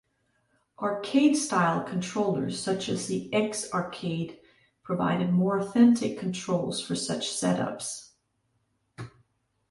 Arcade style controllers such as the X-Arcade provided more authentic controls for such setups.